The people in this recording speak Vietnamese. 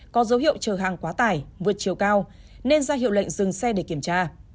có dấu hiệu chở hàng quá tải vượt chiều cao nên ra hiệu lệnh dừng xe để kiểm tra